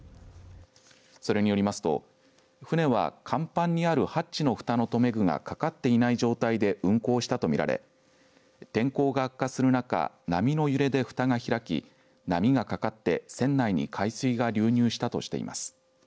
それによりますと船は甲板にあるハッチのふたの留め具がかかっていない状態で運航したと見られ天候が悪化する中波の揺れでふたが開き波がかかって船内に海水が流入したとしています。